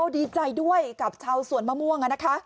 ดีใจด้วยกับชาวสวนมะม่วง